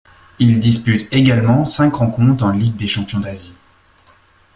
Il dispute également cinq rencontres en Ligue des champions d'Asie.